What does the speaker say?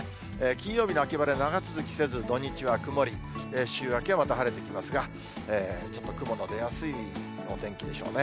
金曜日の秋晴れ、長続きせず、土日は曇り、週明けはまた晴れてきますが、ちょっと雲の出やすいお天気でしょうね。